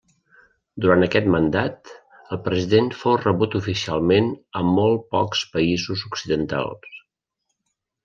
Durant aquest mandat, el president fou rebut oficialment a molt pocs països occidentals.